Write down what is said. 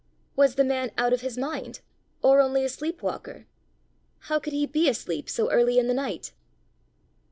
Was the man out of his mind, or only a sleep walker? How could he be asleep so early in the night?